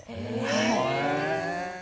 はい。